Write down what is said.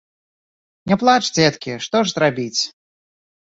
Не плач, дзеткі, што ж зрабіць.